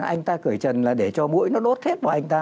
anh ta cởi trần là để cho mũi nó đốt hết vào anh ta